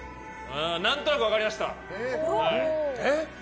何となく分かりました。